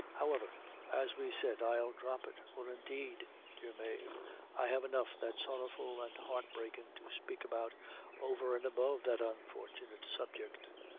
However, as we said, I'll drop it; for indeed, dear Mave, I have enough that's sorrowful and heartbreakin' to spake about, over and above that unfortunate subject."